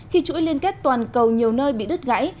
khi chuỗi liên kết toàn cầu nhiều nơi bị đứt gãy